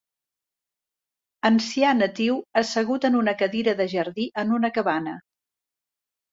Ancià natiu assegut en una cadira de jardí en una cabana.